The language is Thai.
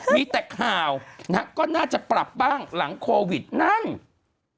มีแต่ข่าวนะฮะก็น่าจะปรับบ้างหลังโควิดนั่ง